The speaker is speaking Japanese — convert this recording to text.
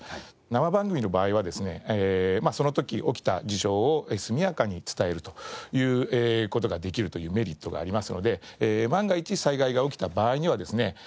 生番組の場合はですねその時起きた事象を速やかに伝えるという事ができるというメリットがありますので万が一災害が起きた場合にはですね